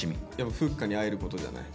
フッカに会えることじゃない？